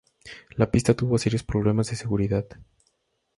La pista tuvo serios problemas de seguridad.